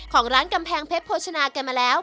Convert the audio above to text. ของร้านกำแพงเพชรโภชนากันมาแล้ว